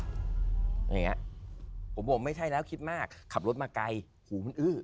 อย่างเงี้ยผมบอกไม่ใช่แล้วคิดมากขับรถมาไกลหูมันอื้อ